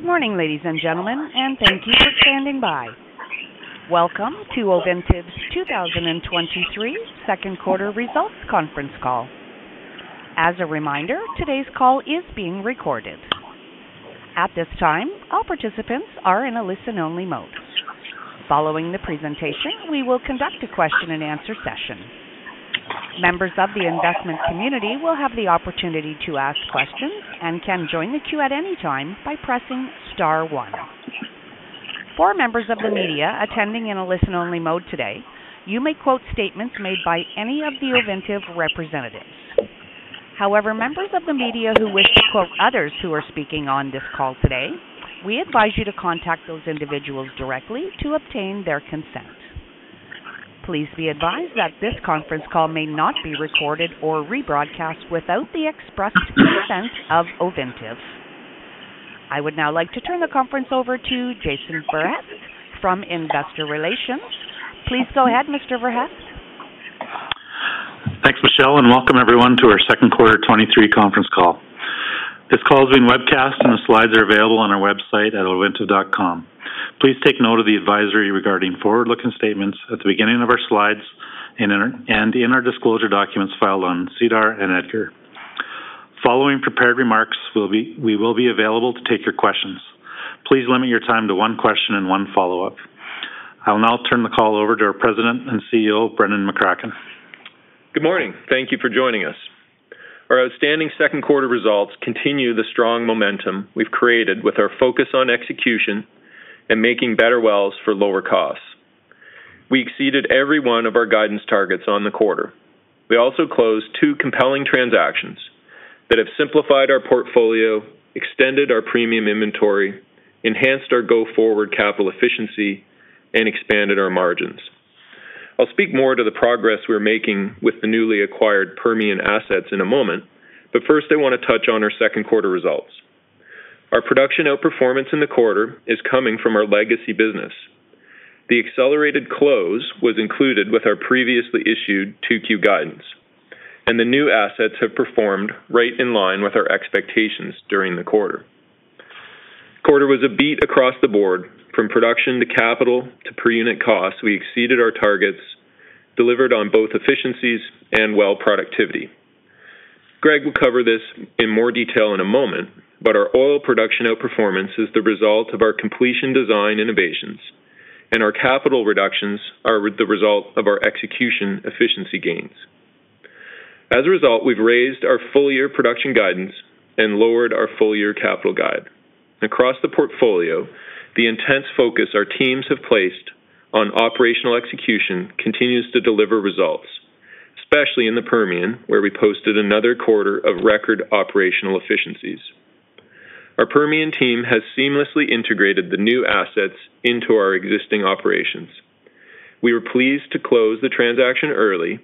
Good morning, ladies and gentlemen, and thank you for standing by. Welcome to Ovintiv's 2023 second quarter results conference call. As a reminder, today's call is being recorded. At this time, all participants are in a listen-only mode. Following the presentation, we will conduct a question-and-answer session. Members of the investment community will have the opportunity to ask questions and can join the queue at any time by pressing star 1. For members of the media attending in a listen-only mode today, you may quote statements made by any of the Ovintiv representatives. However, members of the media who wish to quote others who are speaking on this call today, we advise you to contact those individuals directly to obtain their consent. Please be advised that this conference call may not be recorded or rebroadcast without the express consent of Ovintiv. I would now like to turn the conference over to Jason Verhaest from Investor Relations. Please go ahead, Mr. Verhaest. Thanks, Michelle, and welcome everyone to our 2Q 2023 conference call. This call is being webcast, and the slides are available on our website at ovintiv.com. Please take note of the advisory regarding forward-looking statements at the beginning of our slides and in our disclosure documents filed on SEDAR and EDGAR. Following prepared remarks, we will be available to take your questions. Please limit your time to one question and one follow-up. I will now turn the call over to our President and CEO, Brendan McCracken. Good morning. Thank you for joining us. Our outstanding second quarter results continue the strong momentum we've created with our focus on execution and making better wells for lower costs. We exceeded every one of our guidance targets on the quarter. We also closed two compelling transactions that have simplified our portfolio, extended our premium inventory, enhanced our go-forward capital efficiency, and expanded our margins. I'll speak more to the progress we're making with the newly acquired Permian assets in a moment, but first, I want to touch on our second quarter results. Our production outperformance in the quarter is coming from our legacy business. The accelerated close was included with our previously issued 2Q guidance, and the new assets have performed right in line with our expectations during the quarter. Quarter was a beat across the board from production, to capital, to per unit costs. We exceeded our targets, delivered on both efficiencies and well productivity. Greg will cover this in more detail in a moment, but our oil production outperformance is the result of our completion design innovations, and our capital reductions are the result of our execution efficiency gains. As a result, we've raised our full-year production guidance and lowered our full-year capital guide. Across the portfolio, the intense focus our teams have placed on operational execution continues to deliver results, especially in the Permian, where we posted another quarter of record operational efficiencies. Our Permian team has seamlessly integrated the new assets into our existing operations. We were pleased to close the transaction early,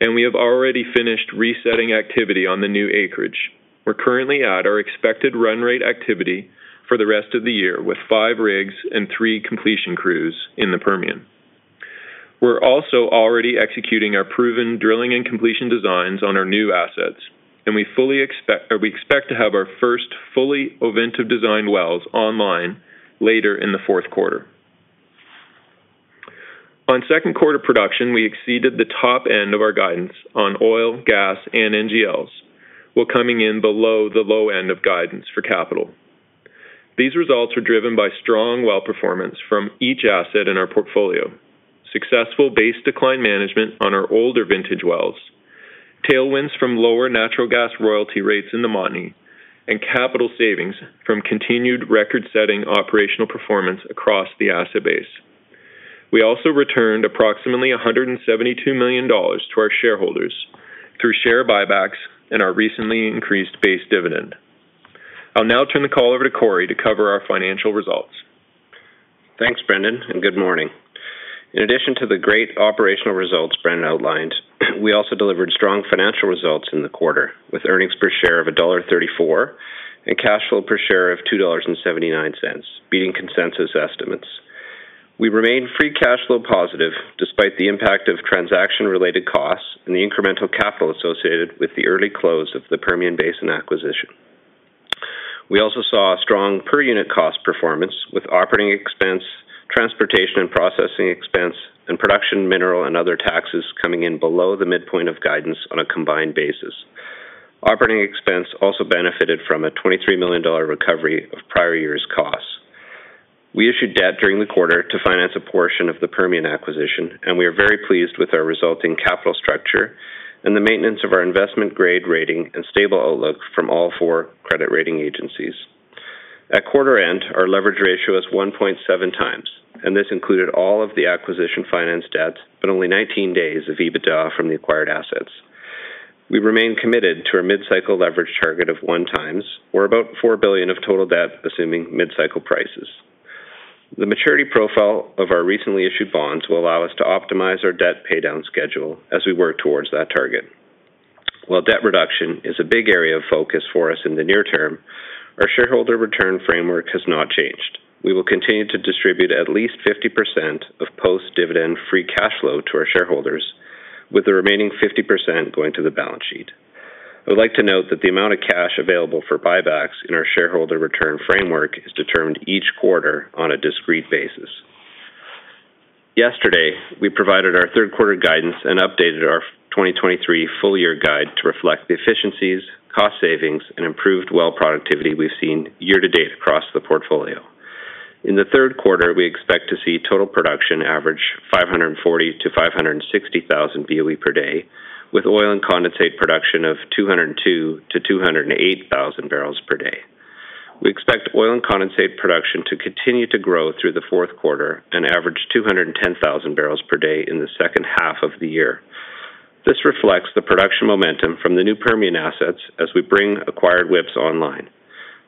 and we have already finished resetting activity on the new acreage. We're currently at our expected run rate activity for the rest of the year, with five rigs and three completion crews in the Permian. We're also already executing our proven drilling and completion designs on our new assets, we expect to have our first fully Ovintiv designed wells online later in the fourth quarter. On second quarter production, we exceeded the top end of our guidance on oil, gas, and NGLs, while coming in below the low end of guidance for capital. These results are driven by strong well performance from each asset in our portfolio, successful base decline management on our older vintage wells, tailwinds from lower natural gas royalty rates in the Montney, and capital savings from continued record-setting operational performance across the asset base. We also returned approximately $172 million to our shareholders through share buybacks and our recently increased base dividend. I'll now turn the call over to Corey to cover our financial results. Thanks, Brendan. Good morning. In addition to the great operational results Brendan outlined, we also delivered strong financial results in the quarter, with earnings per share of $1.34 and cash flow per share of $2.79, beating consensus estimates. We remain free cash flow positive despite the impact of transaction-related costs and the incremental capital associated with the early close of the Permian Basin acquisition. We also saw a strong per-unit cost performance, with operating expense, transportation and processing expense, and production, mineral, and other taxes coming in below the midpoint of guidance on a combined basis. Operating expense also benefited from a $23 million recovery of prior year's costs. We issued debt during the quarter to finance a portion of the Permian acquisition, and we are very pleased with our resulting capital structure and the maintenance of our investment-grade rating and stable outlook from all four credit rating agencies. At quarter end, our leverage ratio is 1.7 times. This included all of the acquisition finance debts but only 19 days of EBITDA from the acquired assets. We remain committed to our mid-cycle leverage target of 1 times, or about $4 billion of total debt, assuming mid-cycle prices. The maturity profile of our recently issued bonds will allow us to optimize our debt paydown schedule as we work towards that target. While debt reduction is a big area of focus for us in the near term, our shareholder return framework has not changed. We will continue to distribute at least 50% of post-dividend free cash flow to our shareholders, with the remaining 50% going to the balance sheet. I would like to note that the amount of cash available for buybacks in our shareholder return framework is determined each quarter on a discrete basis. Yesterday, we provided our third quarter guidance and updated our 2023 full year guide to reflect the efficiencies, cost savings, and improved well productivity we've seen year to date across the portfolio. In the third quarter, we expect to see total production average 540,000-560,000 BOE per day, with oil and condensate production of 202,000-208,000 barrels per day. We expect oil and condensate production to continue to grow through the fourth quarter and average 210,000 barrels per day in the second half of the year. This reflects the production momentum from the new Permian assets as we bring acquired WIPs online.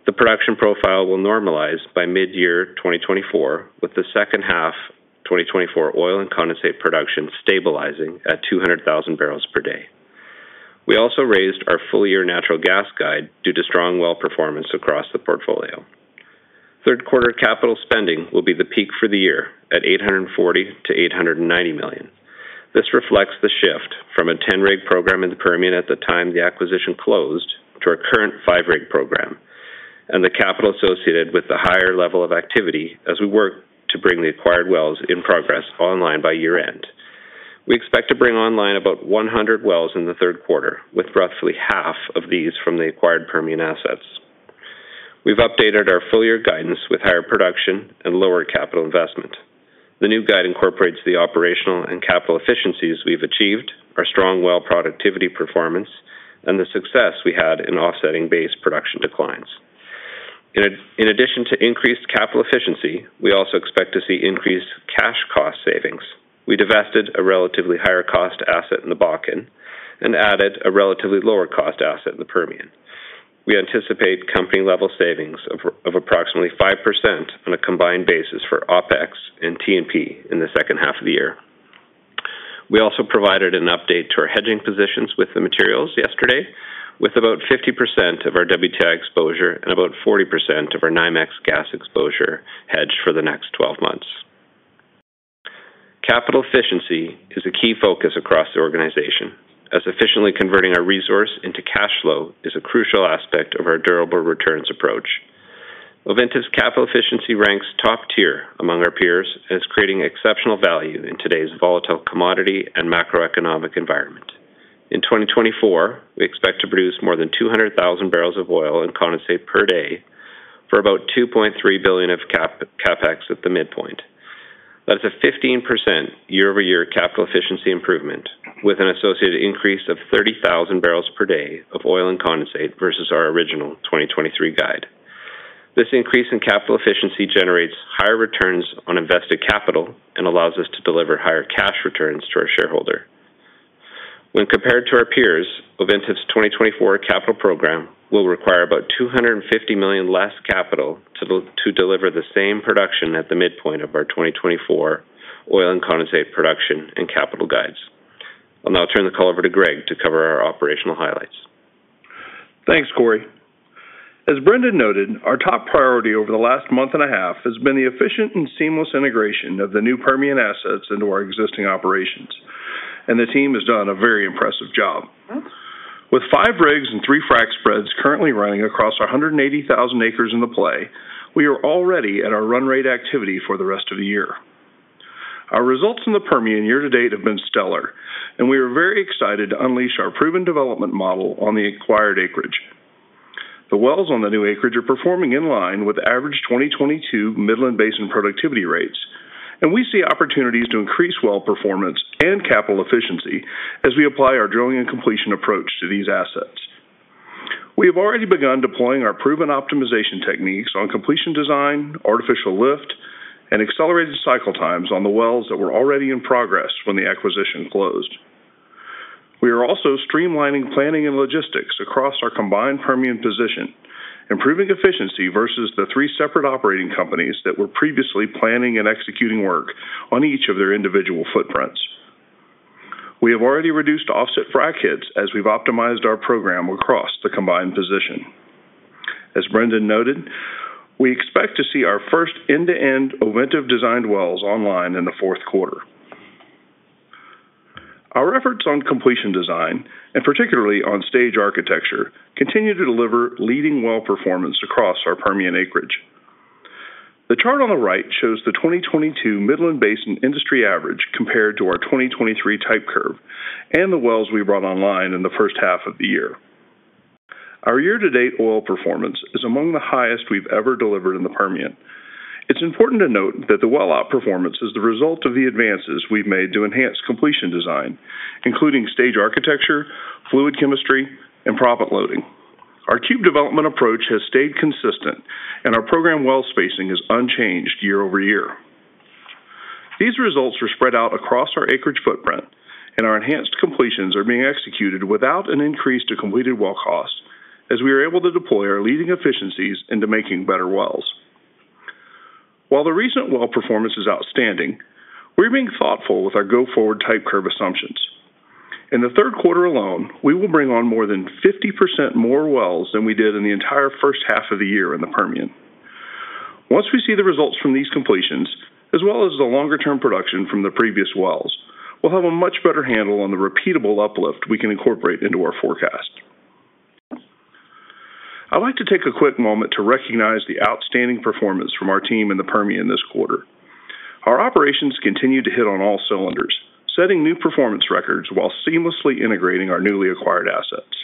The production profile will normalize by mid-year 2024, with the second half 2024 oil and condensate production stabilizing at 200,000 barrels per day. We also raised our full year natural gas guide due to strong well performance across the portfolio. Third quarter CapEx will be the peak for the year at $840 million-$890 million. This reflects the shift from a 10-rig program in the Permian at the time the acquisition closed to our current 5-rig program, and the capital associated with the higher level of activity as we work to bring the acquired wells in progress online by year-end. We expect to bring online about 100 wells in the 3rd quarter, with roughly half of these from the acquired Permian assets. We've updated our full year guidance with higher production and lower capital investment. The new guide incorporates the operational and capital efficiencies we've achieved, our strong well productivity performance, and the success we had in offsetting base production declines. In addition to increased capital efficiency, we also expect to see increased cash cost savings. We divested a relatively higher cost asset in the Bakken and added a relatively lower cost asset in the Permian. We anticipate company-level savings of approximately 5% on a combined basis for OpEx and T&P in the second half of the year. We also provided an update to our hedging positions with the materials yesterday, with about 50% of our WTI exposure and about 40% of our NYMEX gas exposure hedged for the next 12 months. Capital efficiency is a key focus across the organization, as efficiently converting our resource into cash flow is a crucial aspect of our durable returns approach. Ovintiv's capital efficiency ranks top tier among our peers and is creating exceptional value in today's volatile commodity and macroeconomic environment. In 2024, we expect to produce more than 200,000 barrels of oil and condensate per day for about $2.3 billion of CapEx at the midpoint. That's a 15% year-over-year capital efficiency improvement, with an associated increase of 30,000 barrels per day of oil and condensate versus our original 2023 guide. This increase in capital efficiency generates higher returns on invested capital and allows us to deliver higher cash returns to our shareholder. When compared to our peers, Ovintiv's 2024 capital program will require about $250 million less capital to deliver the same production at the midpoint of our 2024 oil and condensate production and capital guides. I'll now turn the call over to Greg to cover our operational highlights. Thanks, Corey. As Brendan noted, our top priority over the last 1.5 months has been the efficient and seamless integration of the new Permian assets into our existing operations, and the team has done a very impressive job. With five rigs and three frac spreads currently running across our 180,000 acres in the play, we are already at our run rate activity for the rest of the year. Our results in the Permian year to date have been stellar, and we are very excited to unleash our proven development model on the acquired acreage. The wells on the new acreage are performing in line with average 2022 Midland Basin productivity rates, and we see opportunities to increase well performance and capital efficiency as we apply our drilling and completion approach to these assets. We have already begun deploying our proven optimization techniques on completion design, artificial lift, and accelerated cycle times on the wells that were already in progress when the acquisition closed. We are also streamlining planning and logistics across our combined Permian position, improving efficiency versus the three separate operating companies that were previously planning and executing work on each of their individual footprints. We have already reduced offset frac hits as we've optimized our program across the combined position. As Brendan noted, we expect to see our first end-to-end Ovintiv-designed wells online in the fourth quarter. Our efforts on completion design, and particularly on stage architecture, continue to deliver leading well performance across our Permian acreage. The chart on the right shows the 2022 Midland Basin industry average compared to our 2023 type curve and the wells we brought online in the first half of the year. Our year-to-date oil performance is among the highest we've ever delivered in the Permian. It's important to note that the well outperformance is the result of the advances we've made to enhance completion design, including stage architecture, fluid chemistry, and proppant loading. Our cube development approach has stayed consistent, and our program well spacing is unchanged year-over-year. These results are spread out across our acreage footprint, and our enhanced completions are being executed without an increase to completed well costs, as we are able to deploy our leading efficiencies into making better wells. While the recent well performance is outstanding, we're being thoughtful with our go-forward type curve assumptions....In the third quarter alone, we will bring on more than 50% more wells than we did in the entire first half of the year in the Permian. Once we see the results from these completions, as well as the longer-term production from the previous wells, we'll have a much better handle on the repeatable uplift we can incorporate into our forecast. I'd like to take a quick moment to recognize the outstanding performance from our team in the Permian this quarter. Our operations continue to hit on all cylinders, setting new performance records while seamlessly integrating our newly acquired assets.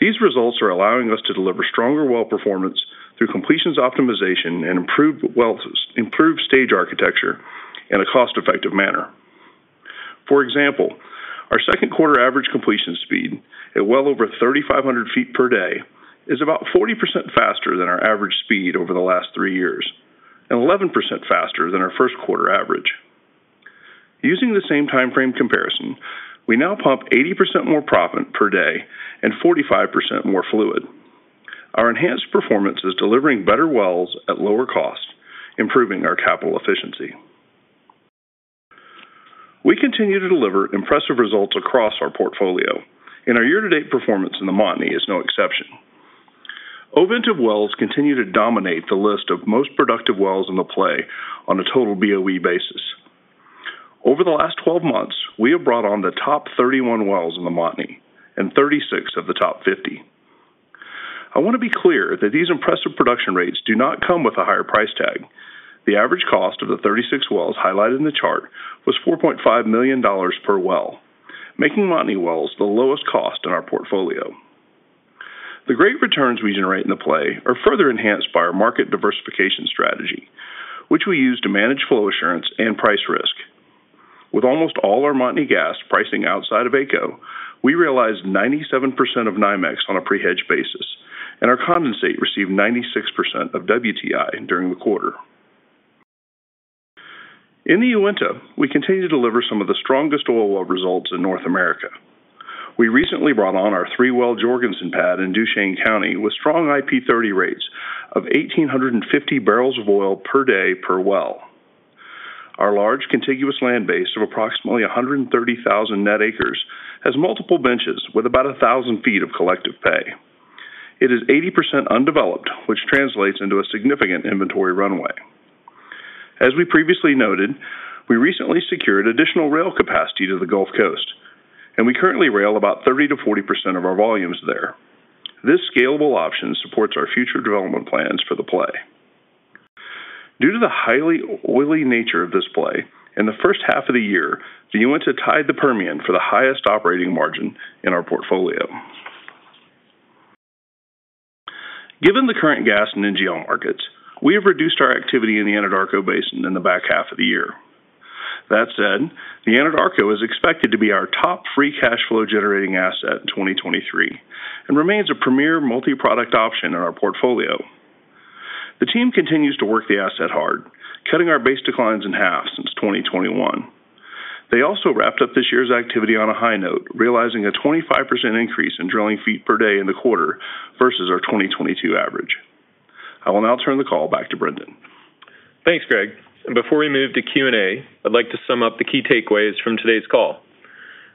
These results are allowing us to deliver stronger well performance through completions optimization and improved wells, improved stage architecture in a cost-effective manner. For example, our second quarter average completion speed, at well over 3,500 feet per day, is about 40% faster than our average speed over the last three years and 11% faster than our first quarter average. Using the same time frame comparison, we now pump 80% more proppant per day and 45% more fluid. Our enhanced performance is delivering better wells at lower cost, improving our capital efficiency. We continue to deliver impressive results across our portfolio, our year-to-date performance in the Montney is no exception. Ovintiv wells continue to dominate the list of most productive wells in the play on a total BOE basis. Over the last 12 months, we have brought on the top 31 wells in the Montney and 36 of the top 50. I want to be clear that these impressive production rates do not come with a higher price tag. The average cost of the 36 wells highlighted in the chart was $4.5 million per well, making Montney wells the lowest cost in our portfolio. The great returns we generate in the play are further enhanced by our market diversification strategy, which we use to manage flow assurance and price risk. With almost all our Montney gas pricing outside of AECO, we realized 97% of NYMEX on a pre-hedge basis, and our condensate received 96% of WTI during the quarter. In the Uinta, we continue to deliver some of the strongest oil well results in North America. We recently brought on our three-well Jorgensen pad in Duchesne County, with strong IP30 rates of 1,850 barrels of oil per day per well. Our large contiguous land base of approximately 130,000 net acres has multiple benches with about 1,000 feet of collective pay. It is 80% undeveloped, which translates into a significant inventory runway. As we previously noted, we recently secured additional rail capacity to the Gulf Coast, and we currently rail about 30%-40% of our volumes there. This scalable option supports our future development plans for the play. Due to the highly oily nature of this play, in the first half of the year, the Uinta tied the Permian for the highest operating margin in our portfolio. Given the current gas and NGL markets, we have reduced our activity in the Anadarko Basin in the back half of the year. That said, the Anadarko is expected to be our top free cash flow-generating asset in 2023 and remains a premier multi-product option in our portfolio. The team continues to work the asset hard, cutting our base declines in half since 2021. They also wrapped up this year's activity on a high note, realizing a 25% increase in drilling feet per day in the quarter versus our 2022 average. I will now turn the call back to Brendan. Thanks, Greg. Before we move to Q&A, I'd like to sum up the key takeaways from today's call.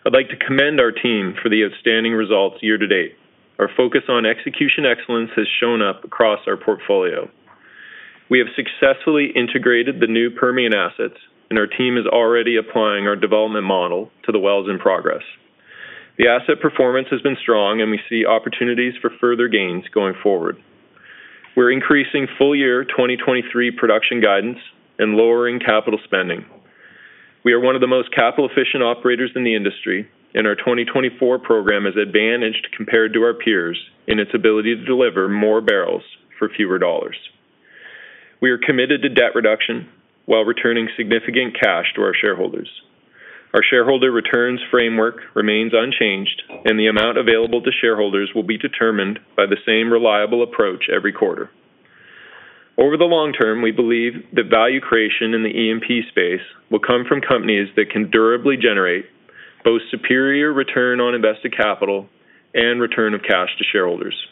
I'd like to commend our team for the outstanding results year-to-date. Our focus on execution excellence has shown up across our portfolio. We have successfully integrated the new Permian assets, and our team is already applying our development model to the wells in progress. The asset performance has been strong, and we see opportunities for further gains going forward. We're increasing full year 2023 production guidance and lowering capital spending. We are one of the most capital-efficient operators in the industry, and our 2024 program is advantaged compared to our peers in its ability to deliver more barrels for fewer dollars. We are committed to debt reduction while returning significant cash to our shareholders. Our shareholder returns framework remains unchanged, and the amount available to shareholders will be determined by the same reliable approach every quarter. Over the long term, we believe that value creation in the E&P space will come from companies that can durably generate both superior return on invested capital and return of cash to shareholders.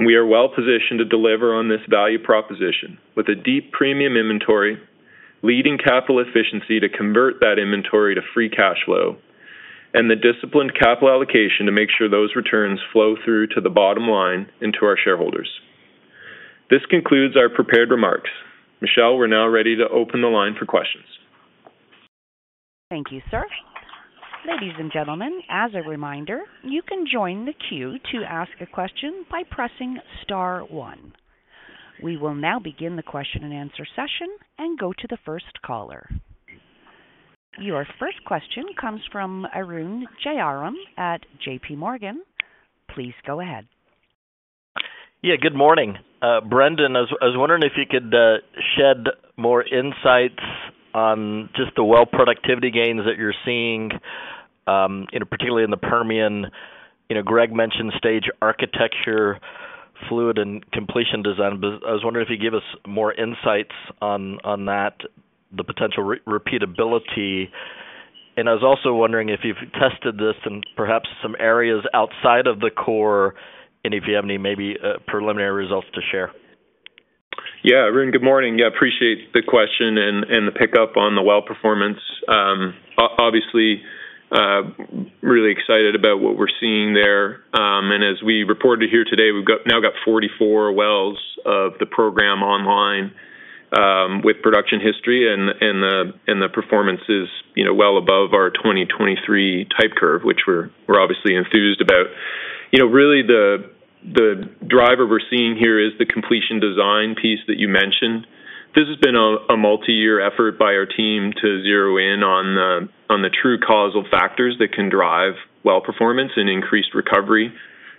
We are well positioned to deliver on this value proposition with a deep premium inventory, leading capital efficiency to convert that inventory to free cash flow, and the disciplined capital allocation to make sure those returns flow through to the bottom line and to our shareholders. This concludes our prepared remarks. Michelle, we're now ready to open the line for questions. Thank you, sir. Ladies and gentlemen, as a reminder, you can join the queue to ask a question by pressing star one. We will now begin the question-and-answer session and go to the first caller. Your first question comes from Arun Jayaram at JPMorgan. Please go ahead. Yeah, good morning. Brendan, I was wondering if you could shed more insights on just the well productivity gains that you're seeing, you know, particularly in the Permian. You know, Greg mentioned stage architecture, fluid, and completion design. I was wondering if you could give us more insights on, on that, the potential repeatability. I was also wondering if you've tested this in perhaps some areas outside of the core, and if you have any maybe, preliminary results to share? Yeah, Arun, good morning. Appreciate the question and the pickup on the well performance. Obviously, really excited about what we're seeing there. As we reported here today, we've now got 44 wells of the program online with production history, and the performance is, you know, well above our 2023 type curve, which we're obviously enthused about. You know, really the driver we're seeing here is the completion design piece that you mentioned. This has been a multi-year effort by our team to zero in on the true causal factors that can drive well performance and increased recovery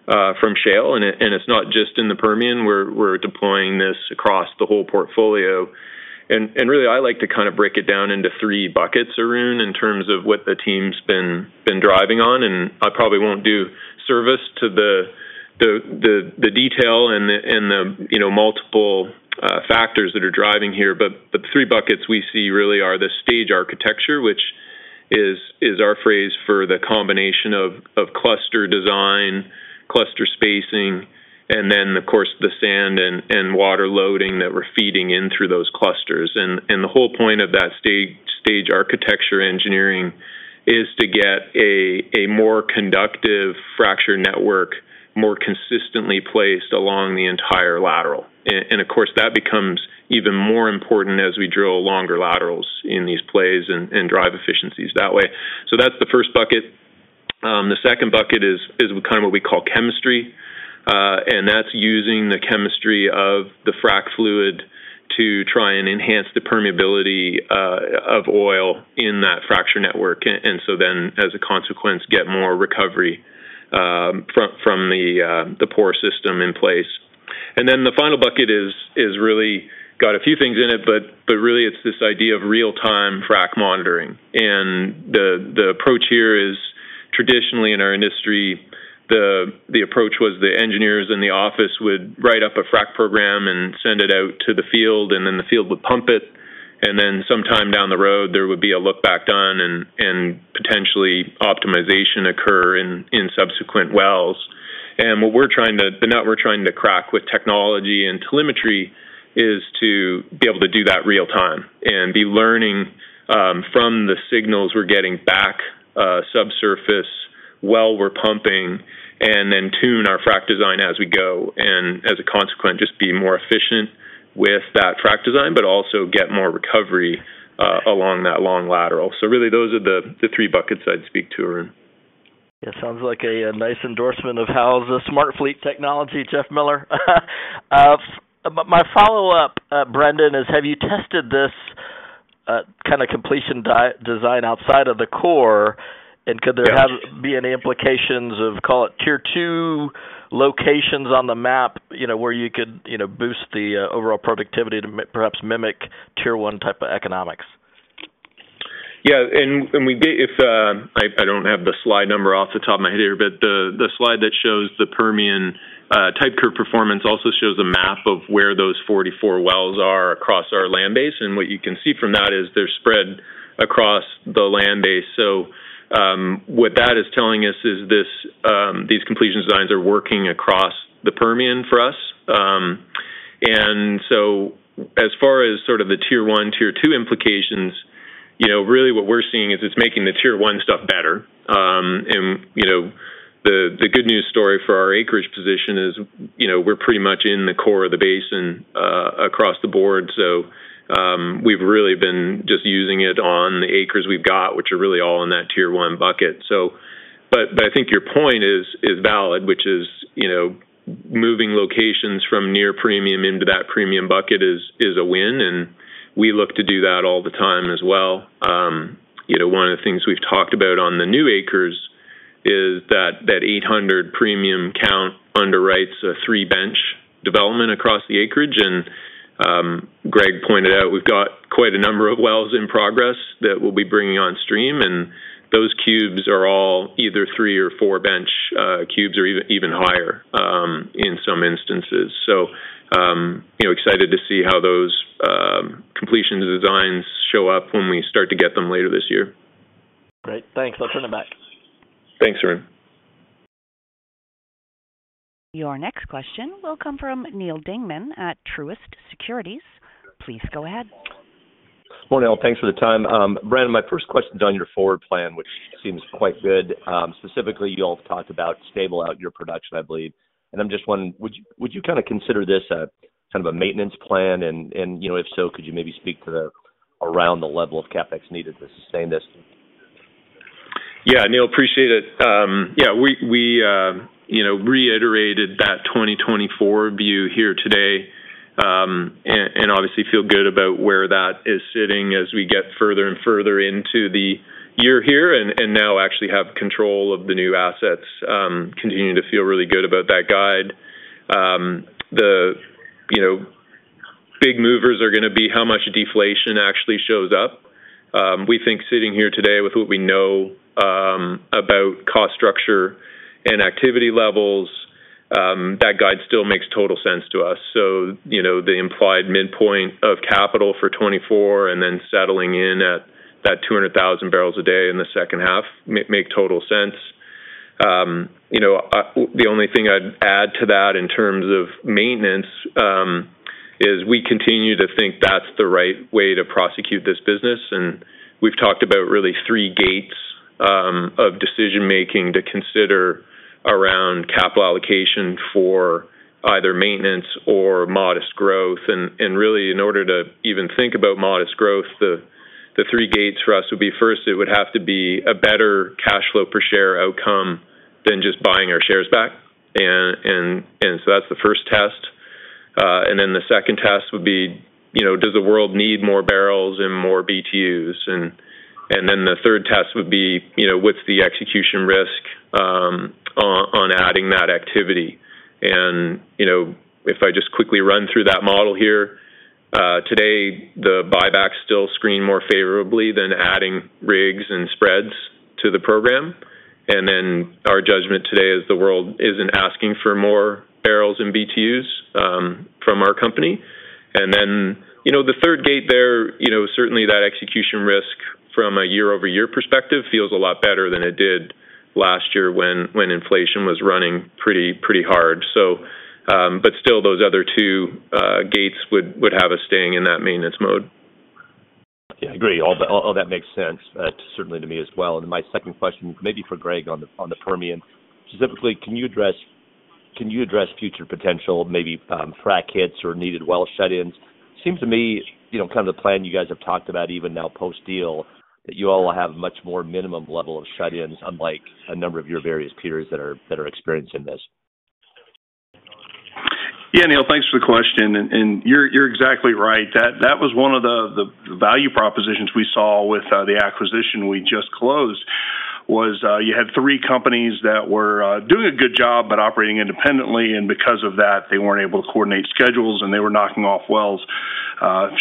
from shale. It's not just in the Permian. We're deploying this across the whole portfolio. Really, I like to kind of break it down into three buckets, Arun, in terms of what the team's been, been driving on, and I probably won't do service to the, the, the, the detail and the, and the, you know, multiple factors that are driving here. The three buckets we see really are the stage architecture, which is, is our phrase for the combination of, of cluster design, cluster spacing, and then, of course, the sand and, and water loading that we're feeding in through those clusters. The whole point of that stage, stage architecture engineering is to get a, a more conductive fracture network, more consistently placed along the entire lateral. Of course, that becomes even more important as we drill longer laterals in these plays and, and drive efficiencies that way. That's the first bucket. The second bucket is, is kind of what we call chemistry, and that's using the chemistry of the frac fluid to try and enhance the permeability, of oil in that fracture network, and so then, as a consequence, get more recovery, from, from the, the pore system in place. The final bucket is, is really got a few things in it, but, but really it's this idea of real-time frac monitoring. The, the approach here is traditionally in our industry, the, the approach was the engineers in the office would write up a frac program and send it out to the field, and then the field would pump it. Sometime down the road, there would be a look back done and, and potentially optimization occur in, in subsequent wells. What we're trying to-- the nut we're trying to crack with technology and telemetry is to be able to do that real time and be learning from the signals we're getting back subsurface while we're pumping, and then tune our frac design as we go. As a consequence, just be more efficient with that frac design, but also get more recovery along that long lateral. Really, those are the three buckets I'd speak to, Arun. It sounds like a nice endorsement of how the SmartFleet technology, Jeff Miller. My follow-up, Brendan, is have you tested this kind of completion design outside of the core? Could there have- Yes. be any implications of, call it, Tier 2 locations on the map, you know, where you could, you know, boost the overall productivity to perhaps mimic Tier 1 type of economics? Yeah, and, and we did. If, I, I don't have the slide number off the top of my head here, but the slide that shows the Permian type curve performance also shows a map of where those 44 wells are across our land base. What you can see from that is they're spread across the land base. What that is telling us is this, these completion designs are working across the Permian for us. As far as sort of the Tier 1, Tier 2 implications, you know, really what we're seeing is it's making the Tier 1 stuff better. You know, the good news story for our acreage position is, you know, we're pretty much in the core of the basin, across the board. We've really been just using it on the acres we've got, which are really all in that Tier 1 bucket. I think your point is valid, you know, moving locations from near premium into that premium bucket is a win, and we look to do that all the time as well. You know, one of the things we've talked about on the new acres is that that 800 premium count underwrites a 3-bench development across the acreage. Greg pointed out we've got quite a number of wells in progress that we'll be bringing on stream, and those cubes are all either 3 or 4 bench cubes or even higher in some instances. You know, excited to see how those completion designs show up when we start to get them later this year. Great. Thanks. I'll turn it back. Thanks, Arun. Your next question will come from Neal Dingmann at Truist Securities. Please go ahead. Morning, all. Thanks for the time. Brendan, my first question is on your forward plan, which seems quite good. Specifically, you all talked about stable out your production, I believe. I'm just wondering, would you kind of consider this a kind of a maintenance plan? You know, if so, could you maybe speak to around the level of CapEx needed to sustain this? Yeah, Neal, appreciate it. Yeah, we, we, you know, reiterated that 2024 view here today, obviously feel good about where that is sitting as we get further and further into the year here, and now actually have control of the new assets. Continuing to feel really good about that guide. The, you know, big movers are gonna be how much deflation actually shows up. We think sitting here today with what we know about cost structure and activity levels, that guide still makes total sense to us. The implied midpoint of capital for 2024 and then settling in at that 200,000 barrels a day in the second half, make total sense. You know, the only thing I'd add to that in terms of maintenance is we continue to think that's the right way to prosecute this business. We've talked about really 3 gates of decision-making to consider around capital allocation for either maintenance or modest growth. Really, in order to even think about modest growth, the 3 gates for us would be, first, it would have to be a better cash flow per share outcome than just buying our shares back. That's the first test. Then the second test would be, you know, does the world need more barrels and more BTUs? Then the third test would be, you know, what's the execution risk on adding that activity? You know, if I just quickly run through that model here today, the buybacks still screen more favorably than adding rigs and spreads to the program. Then our judgment today is the world isn't asking for more barrels and BTUs from our company. Then, you know, the third gate there, you know, certainly that execution risk from a year-over-year perspective, feels a lot better than it did last year when inflation was running pretty, pretty hard. Still, those other two gates would have us staying in that maintenance mode. Yeah, I agree. All that, all that makes sense, certainly to me as well. My second question, maybe for Greg on the, on the Permian. Specifically, can you address, can you address future potential, maybe, frac hits or needed well shut-ins? Seems to me, you know, kind of the plan you guys have talked about even now post-deal, that you all will have a much more minimum level of shut-ins, unlike a number of your various peers that are, that are experiencing this. Yeah, Neal, thanks for the question. You're, you're exactly right. That, that was one of the, the value propositions we saw with the acquisition we just closed, was, you had three companies that were doing a good job, but operating independently, and because of that, they weren't able to coordinate schedules, and they were knocking off wells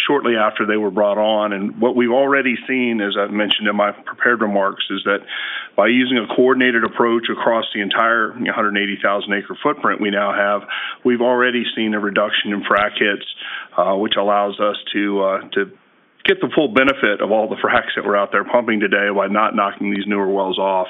shortly after they were brought on. What we've already seen, as I've mentioned in my prepared remarks, is that by using a coordinated approach across the entire 180,000-acre footprint we now have, we've already seen a reduction in frac hits, which allows us to get the full benefit of all the fracs that we're out there pumping today while not knocking these newer wells off.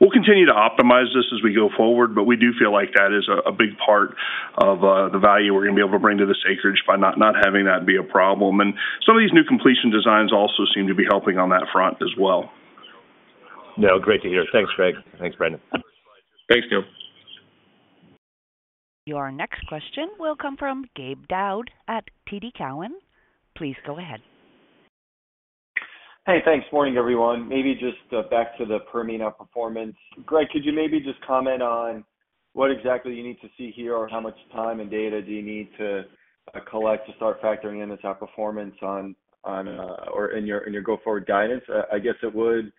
We'll continue to optimize this as we go forward, but we do feel like that is a big part of the value we're gonna be able to bring to this acreage by not, not having that be a problem. Some of these new completion designs also seem to be helping on that front as well. Yeah, great to hear. Thanks, Greg. Thanks, Brendan. Thanks, Neal. Your next question will come from Gabe Daoud at TD Cowen. Please go ahead. Hey, thanks. Morning, everyone. Maybe just back to the Permian outperformance. Greg, could you maybe just comment on what exactly you need to see here, or how much time and data do you need to collect to start factoring in this outperformance on, on, or in your, in your go-forward guidance? I guess it would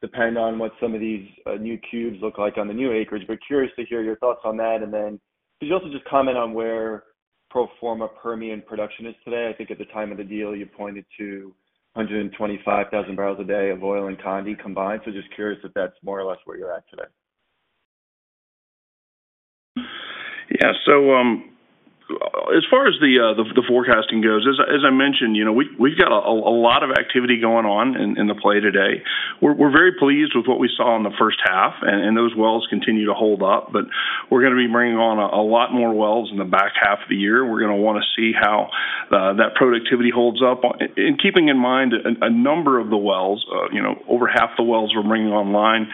depend on what some of these new cubes look like on the new acreage, but curious to hear your thoughts on that. Then could you also just comment on where pro forma Permian production is today? I think at the time of the deal, you pointed to 125,000 barrels a day of oil and condensate combined. Just curious if that's more or less where you're at today? Yeah. As far as the forecasting goes, as I, as I mentioned, you know, we've got a lot of activity going on in the play today. We're very pleased with what we saw in the first half, and those wells continue to hold up, but we're gonna be bringing on a lot more wells in the back half of the year. We're gonna wanna see how that productivity holds up. Keeping in mind, a number of the wells, you know, over half the wells we're bringing online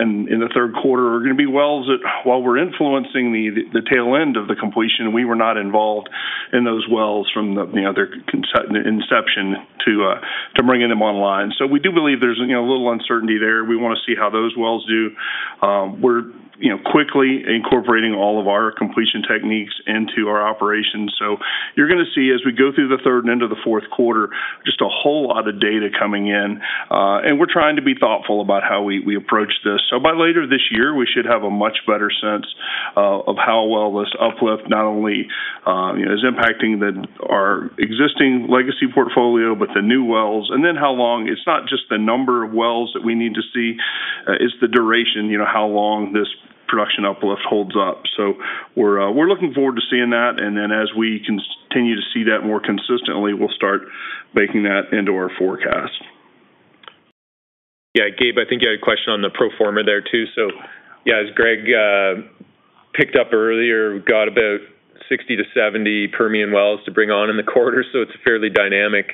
in the third quarter are gonna be wells that while we're influencing the tail end of the completion, we were not involved in those wells from the, you know, their inception to bringing them online. We do believe there's, you know, a little uncertainty there. We wanna see how those wells do. We're, you know, quickly incorporating all of our completion techniques into our operations. You're gonna see, as we go through the third and into the fourth quarter, just a whole lot of data coming in, and we're trying to be thoughtful about how we, we approach this. By later this year, we should have a much better sense of how well this uplift not only, you know, is impacting the, our existing legacy portfolio, but the new wells. It's not just the number of wells that we need to see, it's the duration, you know, how long this production uplift holds up. We're, we're looking forward to seeing that, and then as we continue to see that more consistently, we'll start baking that into our forecast. Yeah, Gabe, I think you had a question on the pro forma there, too. Yeah, as Greg picked up earlier, we've got about 60-70 Permian wells to bring on in the quarter, so it's a fairly dynamic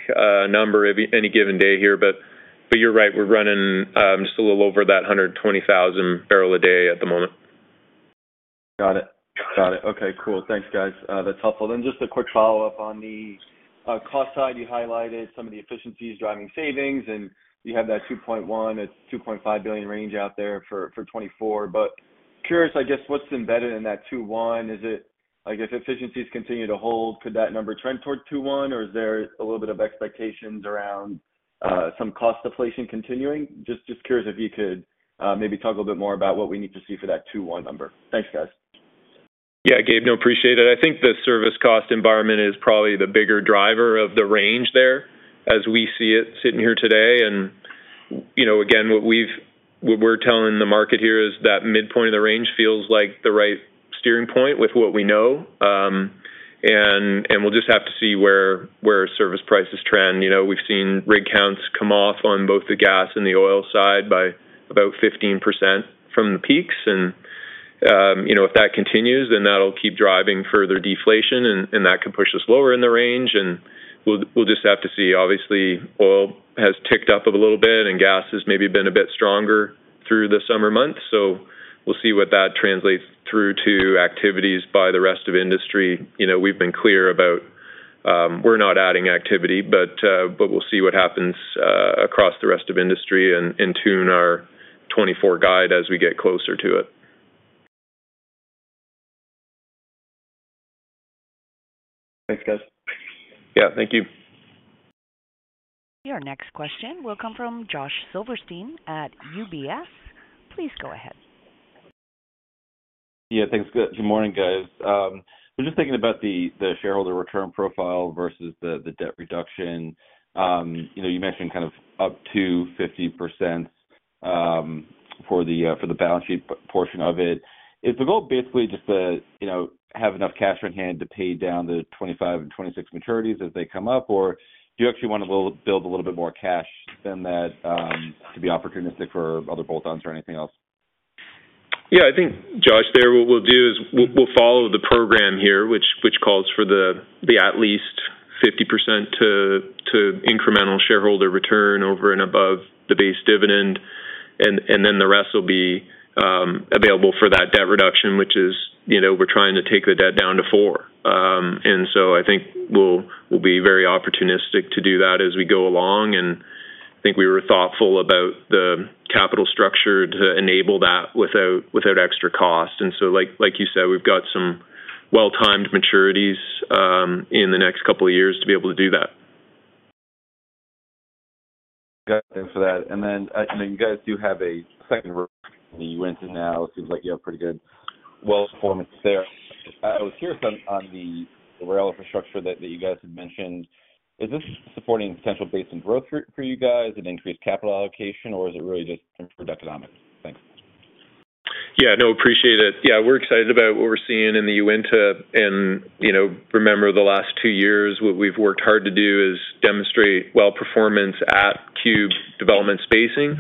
number every any given day here. But you're right, we're running just a little over that 120,000 barrel a day at the moment. Got it. Got it. Okay, cool. Thanks, guys. That's helpful. Just a quick follow-up on the cost side. You highlighted some of the efficiencies driving savings, and you have that $2.1 billion-$2.5 billion range out there for 2024. Curious, I guess, what's embedded in that $2.1 billion? Is it... I guess, if efficiencies continue to hold, could that number trend towards $2.1 billion, or is there a little bit of expectations around some cost deflation continuing? Just, just curious if you could maybe talk a little bit more about what we need to see for that $2.1 billion number. Thanks, guys. Yeah, Gabe, no, appreciate it. I think the service cost environment is probably the bigger driver of the range there, as we see it sitting here today. And, we'll just have to see where, where service prices trend. You know, we've seen rig counts come off on both the gas and the oil side by about 15% from the peaks. You know, if that continues, then that'll keep driving further deflation and, that could push us lower in the range, and we'll, we'll just have to see. Obviously, oil has ticked up a little bit, and gas has maybe been a bit stronger through the summer months. We'll see what that translates through to activities by the rest of industry. You know, we've been clear about, we're not adding activity, but, but we'll see what happens across the rest of industry and, and tune our 2024 guide as we get closer to it. Thanks, guys. Yeah, thank you. Your next question will come from Josh Silverstein at UBS. Please go ahead. Yeah, thanks. Good morning, guys. I was just thinking about the, the shareholder return profile versus the, the debt reduction. you know, you mentioned kind of up to 50% for the for the balance sheet p-portion of it. Is the goal basically just to, you know, have enough cash on hand to pay down the 25 and 26 maturities as they come up? Or do you actually want to build a little bit more cash than that to be opportunistic for other bolt-ons or anything else? Yeah, I think, Josh, there, what we'll do is we'll, we'll follow the program here, which, which calls for the, the at least 50% to, to incremental shareholder return over and above the base dividend. Then the rest will be available for that debt reduction, which is, you know, we're trying to take the debt down to 4. So I think we'll, we'll be very opportunistic to do that as we go along, and I think we were thoughtful about the capital structure to enable that without, without extra cost. So like, like you said, we've got some well-timed maturities in the next couple of years to be able to do that. Got it. Thanks for that. Then, I know you guys do have a second report that you went to now. It seems like you have pretty good well performance there. I was curious on, on the rail infrastructure that, that you guys had mentioned. Is this supporting potential basin growth for, for you guys and increased capital allocation, or is it really just for economics? Thanks. Yeah, no, appreciate it. Yeah, we're excited about what we're seeing in the Uinta. You know, remember, the last two years, what we've worked hard to do is demonstrate well performance at cube development spacing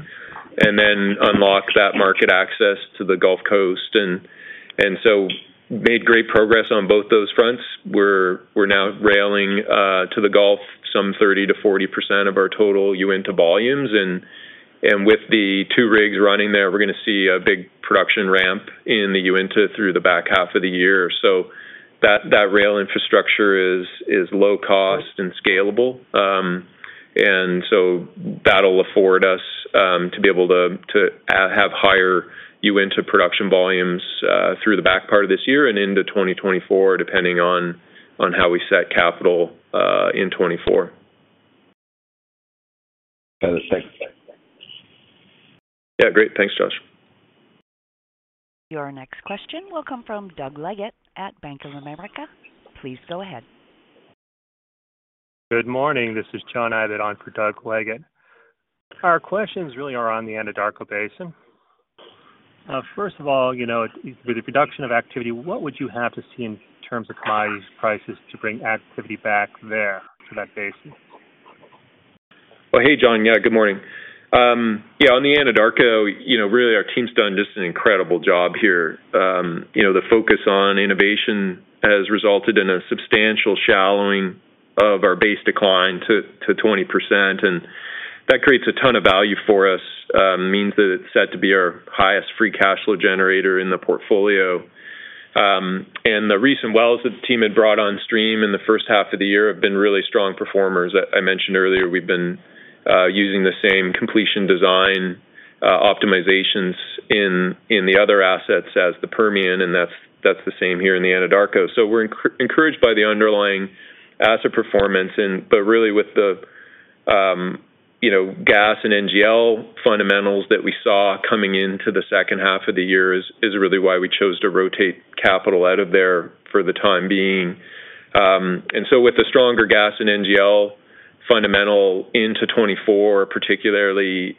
and then unlock that market access to the Gulf Coast, made great progress on both those fronts. We're, we're now railing to the Gulf some 30%-40% of our total Uinta volumes, with the two rigs running there, we're gonna see a big production ramp in the Uinta through the back half of the year. That, that rail infrastructure is, is low cost and scalable. That'll afford us to be able to have higher Uinta production volumes through the back part of this year and into 2024, depending on, on how we set capital in 2024. Got it. Thank you. Yeah, great. Thanks, Josh. Your next question will come from Doug Leggate at Bank of America. Please go ahead. Good morning. This is John Abbott on for Doug Leggate. Our questions really are on the Anadarko Basin. First of all, you know, with the reduction of activity, what would you have to see in terms of price, prices to bring activity back there to that basin? Well, hey, John. Yeah, good morning. Yeah, on the Anadarko, you know, really, our team's done just an incredible job here. You know, the focus on innovation has resulted in a substantial shallowing of our base decline to, to 20%, and that creates a ton of value for us, means that it's set to be our highest free cash flow generator in the portfolio. The recent wells that the team had brought on stream in the first half of the year have been really strong performers. I, I mentioned earlier we've been using the same completion design optimizations in, in the other assets as the Permian, and that's, that's the same here in the Anadarko. We're encouraged by the underlying asset performance. Really, with the, you know, gas and NGL fundamentals that we saw coming into the second half of the year is, is really why we chose to rotate capital out of there for the time being. With the stronger gas and NGL fundamental into 2024, particularly,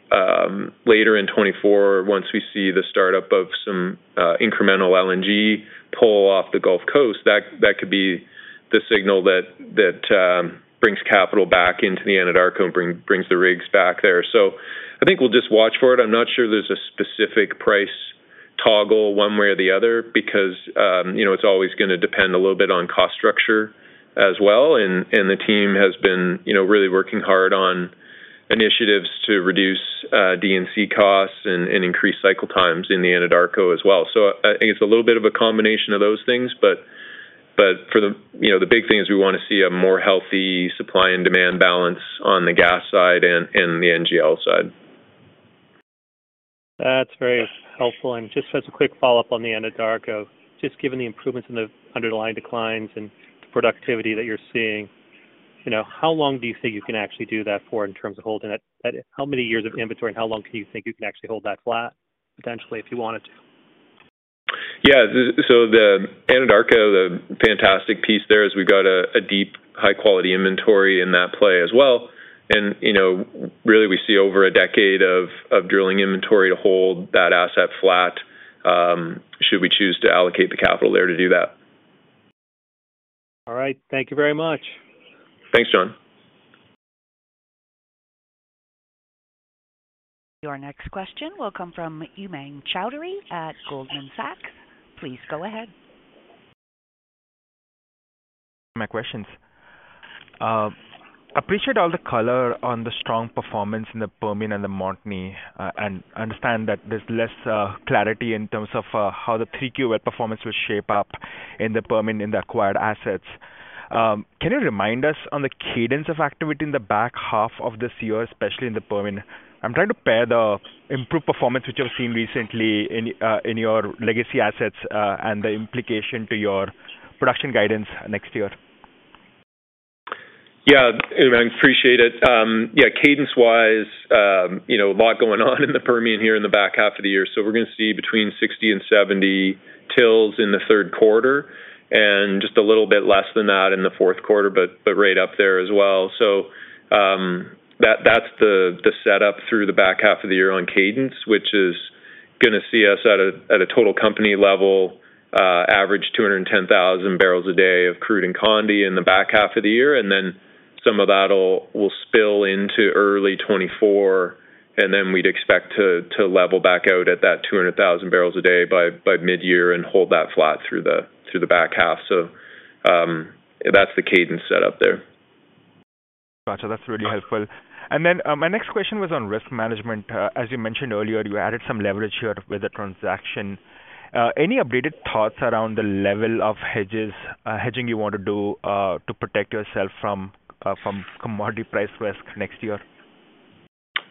later in 2024, once we see the startup of some incremental LNG pull off the Gulf Coast, that, that could be the signal that, that, brings capital back into the Anadarko and brings the rigs back there. I think we'll just watch for it. I'm not sure there's a specific price toggle one way or the other because, you know, it's always gonna depend a little bit on cost structure as well. The team has been, you know, really working hard on initiatives to reduce D&C costs and increase cycle times in the Anadarko as well. I think it's a little bit of a combination of those things, but for the, you know, the big thing is we want to see a more healthy supply and demand balance on the gas side and the NGL side. That's very helpful. Just as a quick follow-up on the Anadarko, just given the improvements in the underlying declines and the productivity that you're seeing, you know, how long do you think you can actually do that for in terms of holding it, at how many years of inventory, and how long do you think you can actually hold that flat, potentially, if you wanted to? Yeah. The Anadarko, the fantastic piece there is we've got a, a deep, high-quality inventory in that play as well. You know, really, we see over a decade of, of drilling inventory to hold that asset flat. Should we choose to allocate the capital there to do that? All right. Thank you very much. Thanks, John. Your next question will come from Umang Choudhary at Goldman Sachs. Please go ahead. My questions. appreciate all the color on the strong performance in the Permian and the Montney, and understand that there's less clarity in terms of how the 3Q well performance will shape up in the Permian in the acquired assets. Can you remind us on the cadence of activity in the back half of this year, especially in the Permian? I'm trying to pair the improved performance, which you've seen recently in your legacy assets, and the implication to your production guidance next year. Yeah, Umang, appreciate it. Yeah, cadence-wise, you know, a lot going on in the Permian here in the back half of the year. We're gonna see between 60 and 70 tills in the third quarter and just a little bit less than that in the fourth quarter, but right up there as well. That, that's the, the setup through the back half of the year on cadence, which is gonna see us at a total company level, average 210,000 barrels a day of crude and condi in the back half of the year, and then some of that'll will spill into early 2024, and then we'd expect to level back out at that 200,000 barrels a day by midyear and hold that flat through the, through the back half. That's the cadence set up there. Got you. That's really helpful. Then, my next question was on risk management. As you mentioned earlier, you added some leverage here with the transaction. Any updated thoughts around the level of hedges, hedging you want to do, to protect yourself from commodity price risk next year?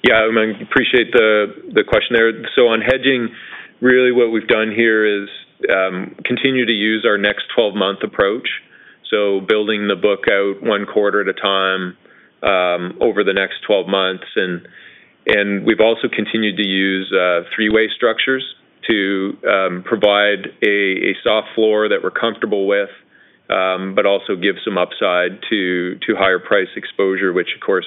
Yeah, Umang, appreciate the question there. On hedging, really what we've done here is continue to use our next 12-month approach. Building the book out 1 quarter at a time, over the next 12 months. We've also continued to use three-way structures to provide a soft floor that we're comfortable with, but also give some upside to higher price exposure, which, of course,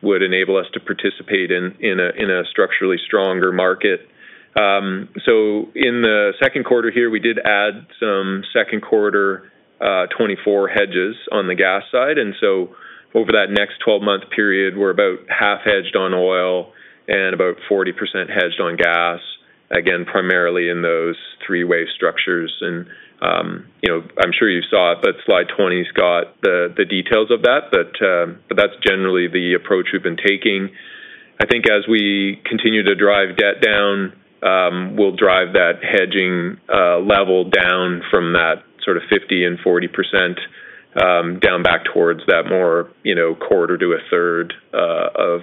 would enable us to participate in a structurally stronger market. In the second quarter here, we did add some second quarter 2024 hedges on the gas side, so over that next 12-month period, we're about 50% hedged on oil and about 40% hedged on gas, again, primarily in those three-way structures. You know, I'm sure you saw it, but slide 20's got the, the details of that. That's generally the approach we've been taking. I think as we continue to drive debt down, we'll drive that hedging level down from that sort of 50% and 40% down back towards that more, you know, quarter to a third of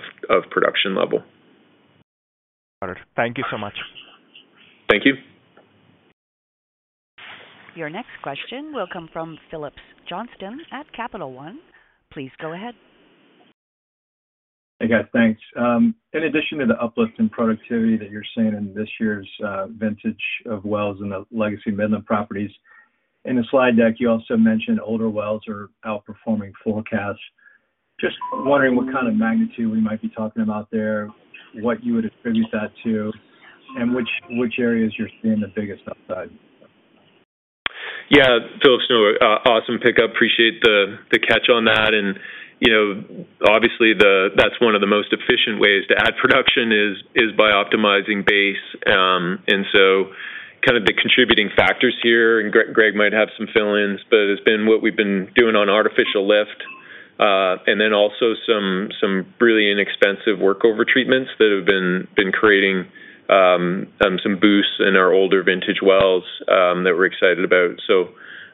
production level. Got it. Thank you so much. Thank you. Your next question will come from Phillips Johnston at Capital One. Please go ahead. Hey, guys, thanks. In addition to the uplift in productivity that you're seeing in this year's vintage of wells in the legacy Midland properties, in the slide deck, you also mentioned older wells are outperforming forecasts. Just wondering what kind of magnitude we might be talking about there, what you would attribute that to, and which, which areas you're seeing the biggest upside? Yeah. Phillips, no, awesome pickup. Appreciate the, the catch on that. You know, obviously, that's one of the most efficient ways to add production is, is by optimizing base. Kind of the contributing factors here, and Greg might have some fill-ins, but it's been what we've been doing on artificial lift, and then also some, some really inexpensive workover treatments that have been, been creating, some boosts in our older vintage wells, that we're excited about.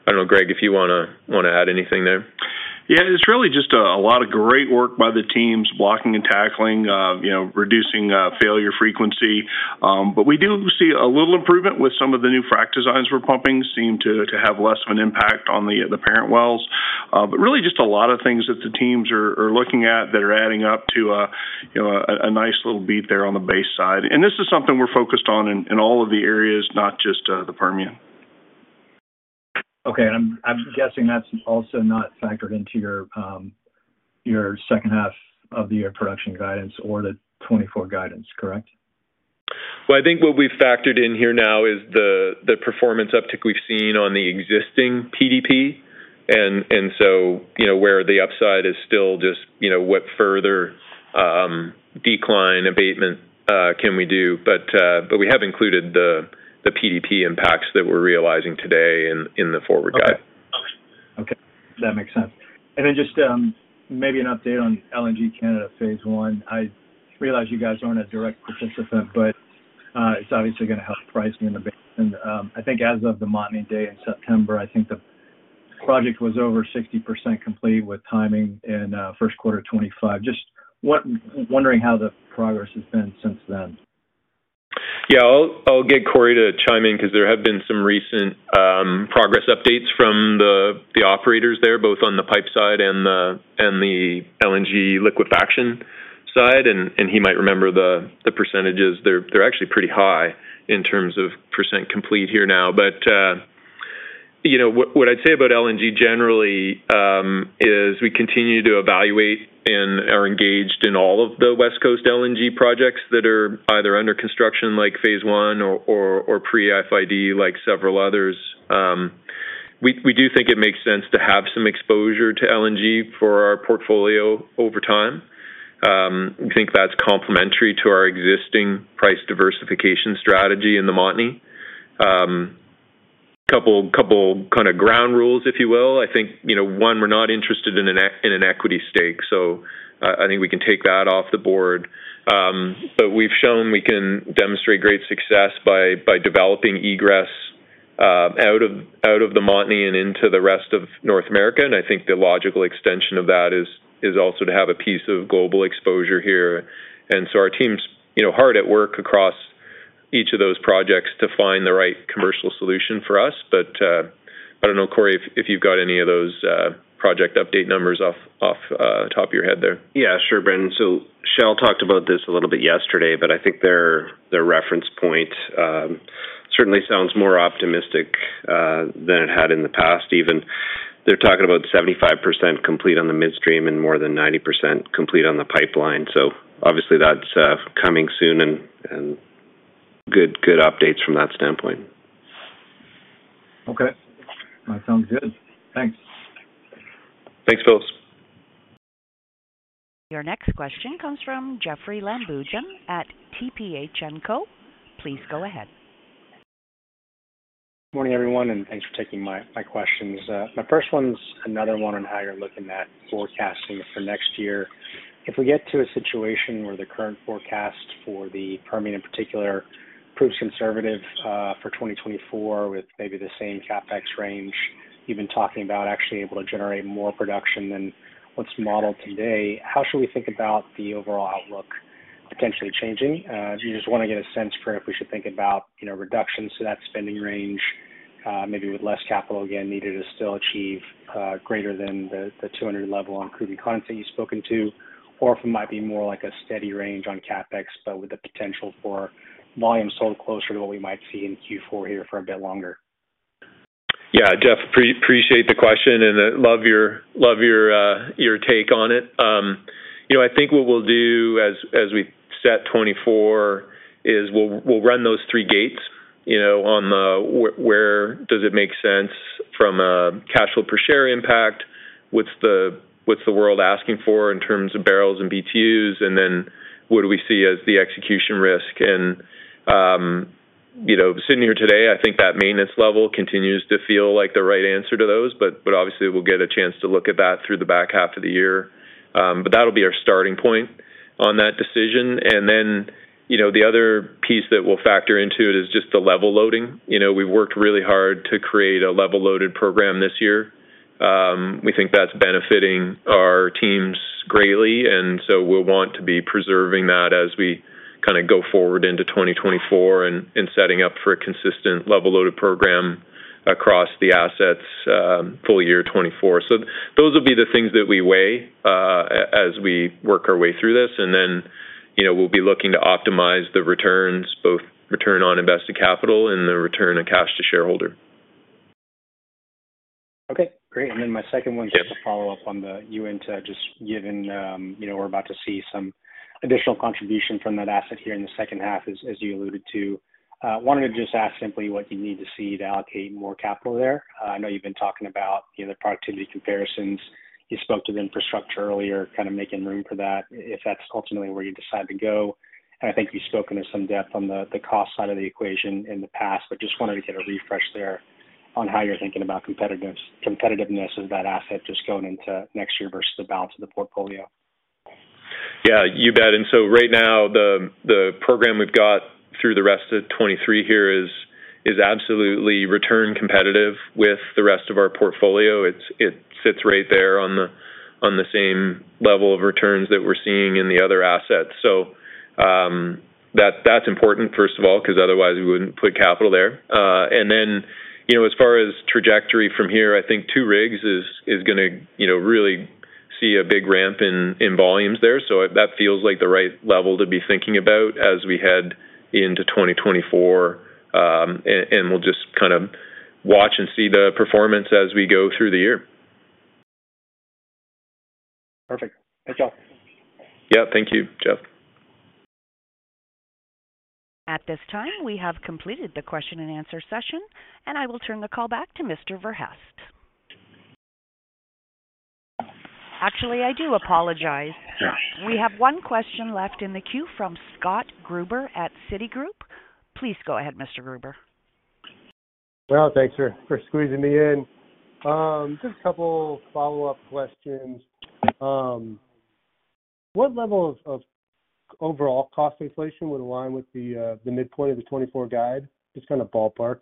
I don't know, Greg, if you wanna, wanna add anything there? Yeah, it's really just a lot of great work by the teams, blocking and tackling, you know, reducing failure frequency. But we do see a little improvement with some of the new frac designs we're pumping, seem to have less of an impact on the parent wells. But really just a lot of things that the teams are looking at that are adding up to a, you know, a nice little beat there on the base side. This is something we're focused on in all of the areas, not just the Permian. Okay. I'm, I'm guessing that's also not factored into your, your second half of the year production guidance or the 2024 guidance, correct? Well, I think what we've factored in here now is the, the performance uptick we've seen on the existing PDP. you know, where the upside is still just, you know, what further decline abatement can we do? we have included the, the PDP impacts that we're realizing today in, in the forward guide. Okay. Okay, that makes sense. Then just, maybe an update on LNG Canada phase one. I realize you guys aren't a direct participant, but it's obviously gonna help pricing in the business. I think as of the Montney day in September, I think the project was over 60% complete with timing in, first quarter of 2025. Just wondering how the progress has been since then. Yeah, I'll, I'll get Corey to chime in because there have been some recent progress updates from the operators there, both on the pipe side and the LNG liquefaction side, and he might remember the percentages. They're actually pretty high in terms of % complete here now. You know, what I'd say about LNG generally is we continue to evaluate and are engaged in all of the West Coast LNG projects that are either under construction, like phase one or pre-FID, like several others. We do think it makes sense to have some exposure to LNG for our portfolio over time. We think that's complementary to our existing price diversification strategy in the Montney. Couple, couple kind of ground rules, if you will. I think, you know, one, we're not interested in an equity stake, so I think we can take that off the board. We've shown we can demonstrate great success by developing egress out of the Montney and into the rest of North America. I think the logical extension of that is also to have a piece of global exposure here. Our team's, you know, hard at work across each of those projects to find the right commercial solution for us. I don't know, Corey, if you've got any of those project update numbers off the top of your head there. Yeah, sure, Brendan. Shell talked about this a little bit yesterday, but I think their, their reference point, certainly sounds more optimistic, than it had in the past even. They're talking about 75% complete on the midstream and more than 90% complete on the pipeline. Obviously that's, coming soon and, and good, good updates from that standpoint. Okay, that sounds good. Thanks. Thanks, Phil. Your next question comes from Jeoffrey Lambujon at TPH&Co. Please go ahead. Good morning, everyone. Thanks for taking my, my questions. My first one's another one on how you're looking at forecasting for next year. If we get to a situation where the current forecast for the Permian in particular, proves conservative for 2024, with maybe the same CapEx range, even talking about actually able to generate more production than what's modeled today, how should we think about the overall outlook potentially changing? Do you just wanna get a sense for if we should think about, you know, reductions to that spending range, maybe with less capital again, needed to still achieve greater than the 200 level on crude condensates that you've spoken to? If it might be more like a steady range on CapEx, but with the potential for volume sold closer to what we might see in Q4 here for a bit longer. Yeah, Jeff, appreciate the question and love your, love your, your take on it. You know, I think what we'll do as, as we set 2024 is we'll, we'll run those three gates, you know, on the where does it make sense from a cash flow per share impact? What's the, what's the world asking for in terms of barrels and BTUs? Then what do we see as the execution risk? You know, sitting here today, I think that maintenance level continues to feel like the right answer to those, but, but obviously we'll get a chance to look at that through the back half of the year. That'll be our starting point on that decision. Then, you know, the other piece that we'll factor into it is just the level loading. You know, we've worked really hard to create a level loaded program this year. We think that's benefiting our teams greatly, and so we'll want to be preserving that as we kinda go forward into 2024 and, and setting up for a consistent level loaded program across the assets, full year 2024. Those will be the things that we weigh as we work our way through this. Then, you know, we'll be looking to optimize the returns, both return on invested capital and the return on cash to shareholder. Okay, great. Then my second one- Yes. Just a follow-up on the Uinta, just given, you know, we're about to see some additional contribution from that asset here in the second half, as, as you alluded to. Wanted to just ask simply what you need to see to allocate more capital there. I know you've been talking about, you know, the productivity comparisons. You spoke to the infrastructure earlier, kind of making room for that, if that's ultimately where you decide to go. I think you've spoken to some depth on the, the cost side of the equation in the past, but just wanted to get a refresh there on how you're thinking about competitiveness of that asset just going into next year versus the balance of the portfolio. Yeah, you bet. Right now, the, the program we've got through the rest of 2023 here is, is absolutely return competitive with the rest of our portfolio. It's, it sits right there on the, on the same level of returns that we're seeing in the other assets. That's, that's important, first of all, because otherwise we wouldn't put capital there. You know, as far as trajectory from here, I think 2 rigs is, is gonna, you know, really see a big ramp in, in volumes there. That feels like the right level to be thinking about as we head into 2024. We'll just kind of watch and see the performance as we go through the year. Perfect. Thanks, y'all. Yeah. Thank you, Jeff. At this time, we have completed the question and answer session, and I will turn the call back to Mr. Verhaest. Actually, I do apologize. Yeah. We have one question left in the queue from Scott Gruber at Citigroup. Please go ahead, Mr. Gruber. Well, thanks for, for squeezing me in. Just a couple follow-up questions. What level of, of overall cost inflation would align with the midpoint of the 2024 guide? Just kind of ballpark.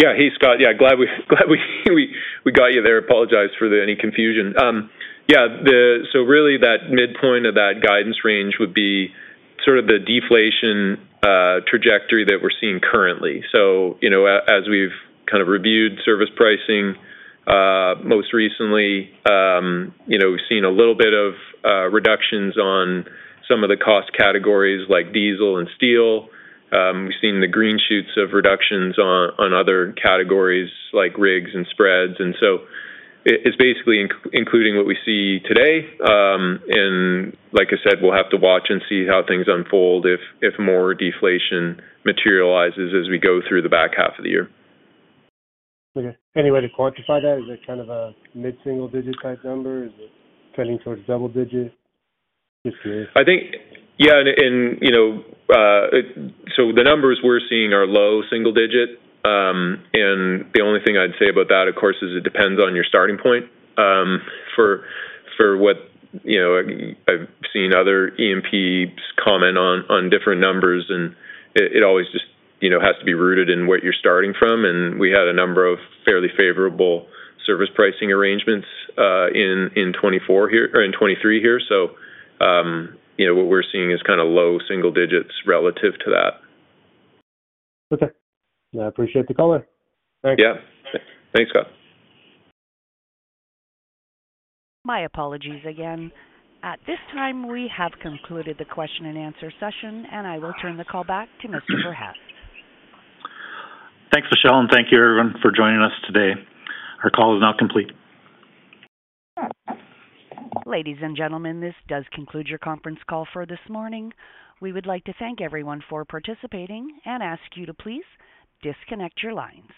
Yeah. Hey, Scott. Yeah, glad we glad we, we, we got you there. Apologize for the any confusion. Yeah, the... So really that midpoint of that guidance range would be sort of the deflation trajectory that we're seeing currently. So, you know, as we've kind of reviewed service pricing most recently, you know, we've seen a little bit of reductions on some of the cost categories like diesel and steel. We've seen the green shoots of reductions on, on other categories like rigs and spreads. So it, it's basically including what we see today. Like I said, we'll have to watch and see how things unfold if, if more deflation materializes as we go through the back half of the year. Okay. Any way to quantify that? Is it kind of a mid-single digit type number? Is it trending towards double digit? Just curious. I think, yeah, and, and, you know, so the numbers we're seeing are low single digit. The only thing I'd say about that, of course, is it depends on your starting point, for, for what... You know, I've seen other E&Ps comment on, on different numbers, and it, it always just, you know, has to be rooted in what you're starting from. We had a number of fairly favorable service pricing arrangements, in, in 2024 here, or in 2023 here. You know, what we're seeing is kind of low single digits relative to that. Okay. I appreciate the color. Thanks. Yeah. Thanks, Scott. My apologies again. At this time, we have concluded the question and answer session, and I will turn the call back to Mr. Verhaest. Thanks, Michelle, and thank you everyone for joining us today. Our call is now complete. Ladies and gentlemen, this does conclude your conference call for this morning. We would like to thank everyone for participating and ask you to please disconnect your lines.